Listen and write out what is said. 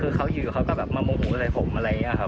คือเขาอยู่เขาก็แบบมาโมโหอะไรผมอะไรอย่างนี้ครับ